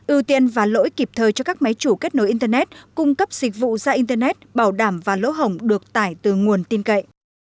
ưu tiên và lỗi kịp thời cho các máy chủ kết nối internet cung cấp dịch vụ ra internet bảo đảm và lỗ hồng được tải từ nguồn tin cậy